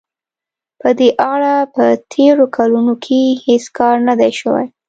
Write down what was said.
په دې اړه په تېرو کلونو کې هېڅ کار نه دی شوی.